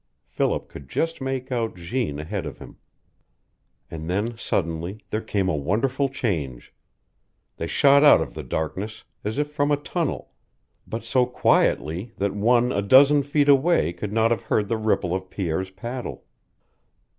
Philip could just make out Jeanne ahead of him. And then, suddenly, there came a wonderful change. They shot out of the darkness, as if from a tunnel, but so quietly that one a dozen feet away could not have heard the ripple of Pierre's paddle.